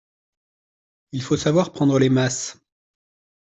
Il faut savoir prendre les masses.